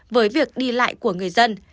với việc đi lại của người dân